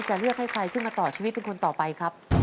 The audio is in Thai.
จะเลือกให้ใครขึ้นมาต่อชีวิตเป็นคนต่อไปครับ